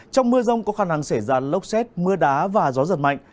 trong mưa rông có khả năng xảy ra lốc xét mưa đá và gió giật mạnh